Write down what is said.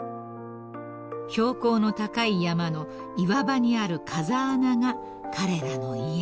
［標高の高い山の岩場にある風穴が彼らの家］